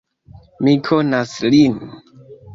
Mi konas lin!